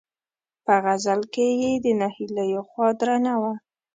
په غزل کې یې د ناهیلیو خوا درنه وه.